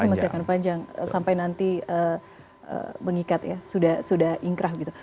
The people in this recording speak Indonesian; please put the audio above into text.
proses yang panjang sampai nanti mengikat ya sudah inkrah gitu